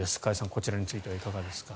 こちらについてはいかがですか。